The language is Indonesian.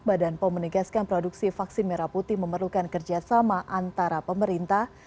badan pom menegaskan produksi vaksin merah putih memerlukan kerjasama antara pemerintah